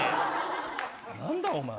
何だ、お前。